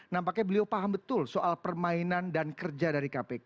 nampaknya beliau paham betul soal permainan dan kerja dari kpk